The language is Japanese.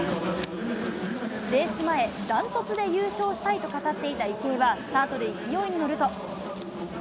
レース前、断トツで優勝したいと語っていた池江は、スタートで勢いに乗ると。